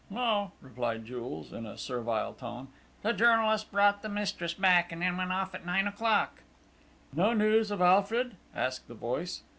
"No," replied Jules in a servile tone. "The journalist brought the mistress back and then went off at nine o'clock...." "No news of Alfred?" asked the voice.